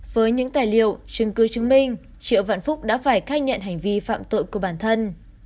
với những tài liệu chứng cứ chứng minh triệu vạn phúc đã phải khai nhận hành vi phạm tội của bản thân